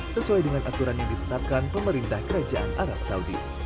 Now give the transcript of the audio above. sesuai dengan aturan yang ditetapkan pemerintah kerajaan arab saudi